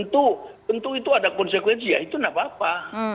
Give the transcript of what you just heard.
tentu itu ada konsekuensi ya itu tidak apa apa